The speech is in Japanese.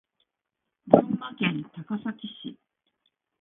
群馬県高崎市